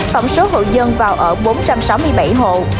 tổng số hộ dân vào ở bốn trăm sáu mươi bảy hộ